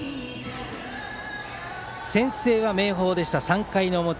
先制は明豊でした、３回表。